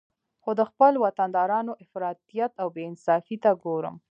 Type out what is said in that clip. خو د خپل وطندارانو افراطیت او بې انصافي ته ګورم